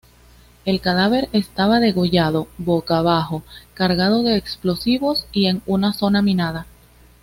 El cadáver estaba degollado, boca abajo, cargado de explosivos y en una zona minada.